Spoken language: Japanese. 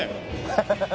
ハハハハ。